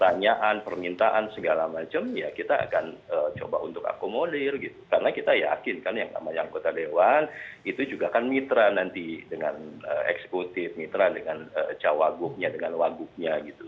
pertanyaan permintaan segala macam ya kita akan coba untuk akomodir gitu karena kita yakin kan yang namanya anggota dewan itu juga kan mitra nanti dengan eksekutif mitra dengan cawagupnya dengan wagubnya gitu